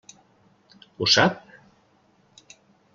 Ho sap?